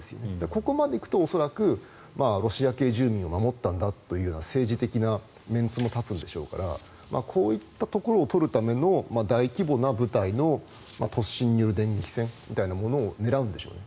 ここまで行くと、恐らくロシア系住民を守ったんだという政治的なメンツも立つんでしょうからこういったところをとるための大規模な部隊の突進による電撃戦というのを狙うんでしょうね。